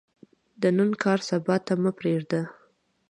د نن کار، سبا ته مه پریږده.